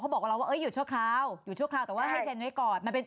เขาบอกว่าเอ้ยหยุดชั่วคราวหยุดชั่วคราวแต่ว่าให้เซ็นต์ไว้ก่อน